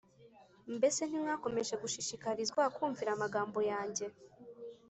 Mbese ntimwakomeje gushishikarizwa kumvira amagambo yanjye .